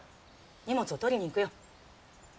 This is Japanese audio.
荷物を取りに行くよ。